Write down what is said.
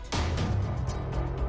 kasian tahu keatna